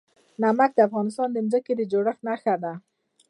نمک د افغانستان د ځمکې د جوړښت نښه ده.